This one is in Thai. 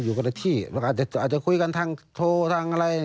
แล้วจริยภรกับสร้อยเพชรรู้จักกันยังไง